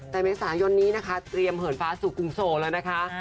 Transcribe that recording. แต่เมษายนนี้นะคะเตรียมเหินฟ้าสู่กรุงโซลแล้วนะคะ